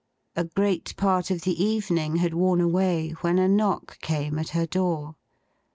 A great part of the evening had worn away, when a knock came at her door.